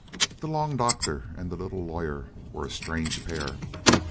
The long doctor and the little lawyer were a strange pair.